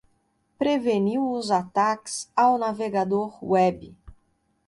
Preveniu os ataques ao navegador web